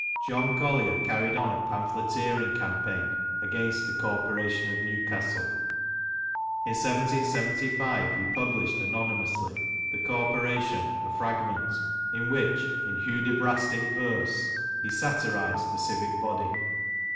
John Collier carried on a pamphleteering campaign against the Corporation of Newcastle. In 1775, he published anonymously, " The Corporation : A Fragment," in which, in Hudibrastic verse, he satirised the civic body.